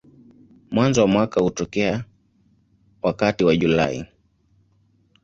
Mwanzo wa mwaka hutokea wakati wa Julai.